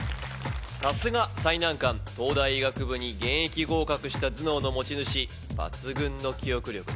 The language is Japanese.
さすが最難関東大医学部に現役合格した頭脳の持ち主抜群の記憶力です